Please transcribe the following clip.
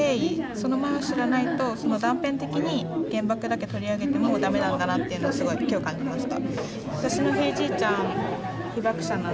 その前を知らないとその断片的に原爆だけ取り上げても駄目なんだなっていうのをすごい今日感じました。